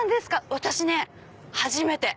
私ね初めて。